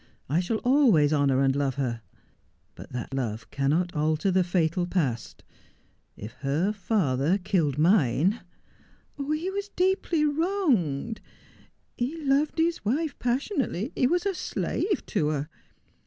I shall always honour and love her. But that love cannot alter the fatal past. If her father killed mine '' He was deeply wronged. He loved his wife passionately — he was a slave to her.